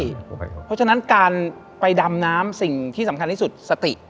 เพราะฉะนั้นการไปดำน้ำสิ่งที่สำคัญที่สุดสติ